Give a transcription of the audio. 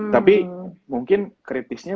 tapi mungkin kritisnya